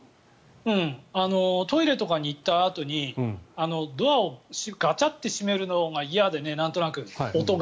トイレとかに行ったあとにドアをガチャっと閉めるのが嫌でなんとなく音が。